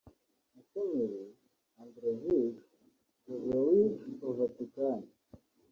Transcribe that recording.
Musenyeri Andrzej Jozwowicz wa Vatican